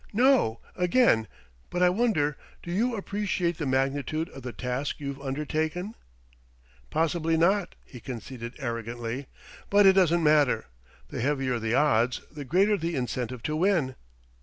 "No, again.... But I wonder, do you appreciate the magnitude of the task you've undertaken?" "Possibly not," he conceded arrogantly; "but it doesn't matter. The heavier the odds, the greater the incentive to win."